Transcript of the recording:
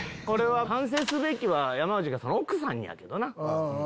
反省すべきは山内が奥さんにやけどな。